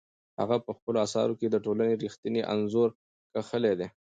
هغه په خپلو اثارو کې د ټولنې رښتینی انځور کښلی دی.